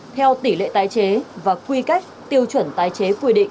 theo tỷ lệ tái chế và quy cách tiêu chuẩn tái chế